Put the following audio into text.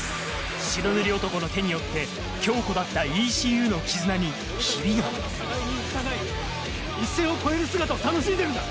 白塗り男の手によって強固だった一線を越える姿を楽しんでるんだ。